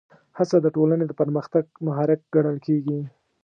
هڅه د ټولنې د پرمختګ محرک ګڼل کېږي.